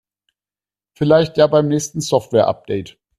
Vielleicht ja beim nächsten Softwareupdate.